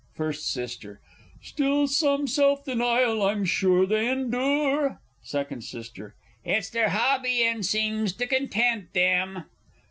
First S. Still, some self denial I'm sure they endure? Second S. It's their hobby, and seems to content them.